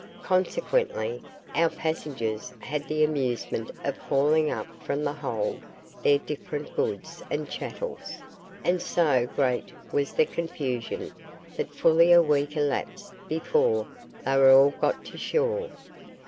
Consequently, our passengers had the amusement of hauling up from the hold their different goods and chattels; and so great was the confusion, that fully a week elapsed before they were all got to shore.